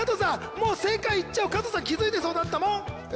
もう正解言っちゃおう加藤さん気付いてそうだった。え？